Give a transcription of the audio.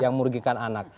yang merugikan anak